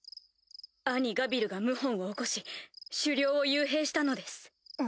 兄ガビルが謀反を起こし首領を幽閉したのです。